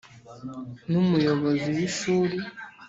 n Umuyobozi w Ishuri